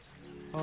あ！